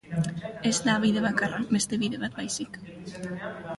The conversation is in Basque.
Ez da bide bakarra, beste bide bat baizik.